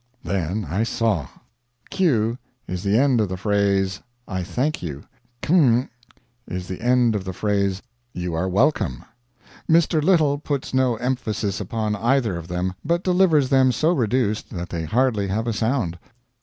Then I saw. 'Q' is the end of the phrase "I thank you" 'Km' is the end of the phrase "You are welcome." Mr. Little puts no emphasis upon either of them, but delivers them so reduced that they hardly have a sound.